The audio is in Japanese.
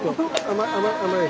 甘い。